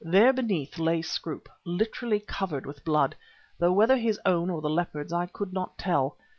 There beneath lay Scroope, literally covered with blood, though whether his own or the leopard's I could not tell.